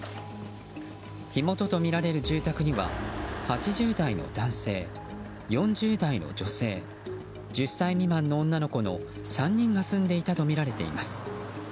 火元とみられる住宅には８０代の男性、４０代の女性１０歳未満の女の子の３人が住んでいたとみられています。